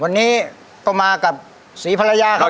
วันนี้ก็มากับศรีภรรยาครับ